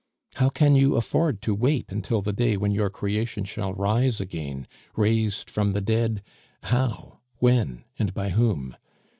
How can you afford to wait until the day when your creation shall rise again, raised from the dead how? when? and by whom?